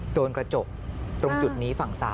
โดนกระจกตรงจุดนี้ฝั่งซ้าย